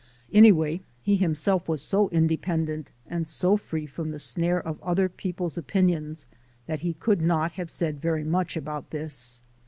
Anyway, he himself was so independent and so free from the snare of other people's opinions that he could not have said very much about this.